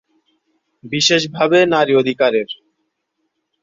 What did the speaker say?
বিশেষ ভাবে নারী অধিকারের।